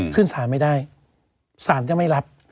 ขึ้นสารไม่ได้สารก็ไม่รับ